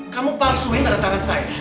kamu pasuhin tanah tangan saya